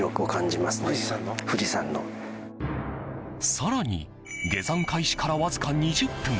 更に、下山開始からわずか２０分。